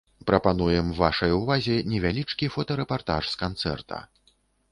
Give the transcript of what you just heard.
Прапануем вашай увазе невялічкі фотарэпартаж з канцэрта.